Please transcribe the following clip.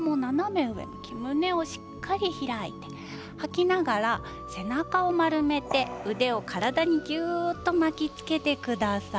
胸をしっかり開いて吐きながら背中を丸めて腕を体にぎゅっと巻きつけてください。